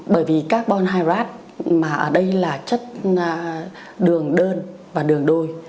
bởi vì carbon hydrate mà ở đây là chất đường đơn và đường đôi